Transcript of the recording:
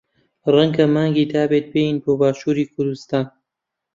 ڕەنگە مانگی دابێت بێین بۆ باشووری کوردستان.